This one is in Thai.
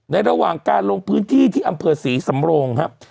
ระหว่างการลงพื้นที่ที่อำเภอศรีสำโรงครับ